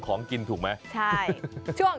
คล้องกินคล้องกิน